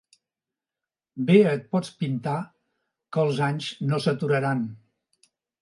Bé et pots pintar, que els anys no s'aturaran.